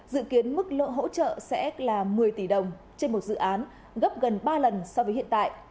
dự kiến mức lỗ hỗ trợ sẽ là một mươi tỷ đồng trên một dự án gấp gần ba lần so với hiện tại